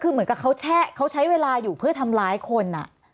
คือเหมือนกับเขาแชะเขาใช้เวลาอยู่เพื่อทำร้ายคน